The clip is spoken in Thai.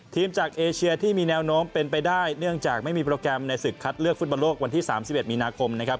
ทีมจากเอเชียที่มีแนวโน้มเป็นไปได้เนื่องจากไม่มีโปรแกรมในศึกคัดเลือกฟุตบอลโลกวันที่๓๑มีนาคมนะครับ